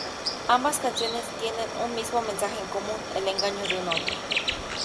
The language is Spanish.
Ambas canciones tienen un mismo mensaje en común: el engaño de un novio.